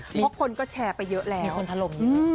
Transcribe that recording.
เพราะคนก็แชร์ไปเยอะแล้วมีคนทะลม